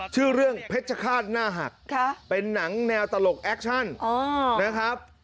ชื่อเรื่องเพชรฆาตหน้าหักเป็นหนังแนวตลกแอคชั่นนะครับ